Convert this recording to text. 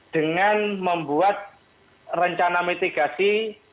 dengan membuat rencana mitigasi